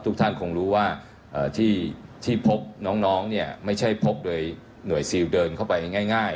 ทุกท่านคงรู้ว่าที่พบน้องเนี่ยไม่ใช่พบโดยหน่วยซิลเดินเข้าไปง่าย